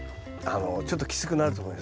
ちょっときつくなると思います。